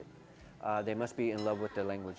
mereka harus mencintai bahasa inggris